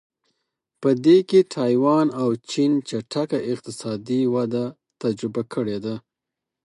په دې کې تایوان او چین چټکه اقتصادي وده تجربه کړې ده.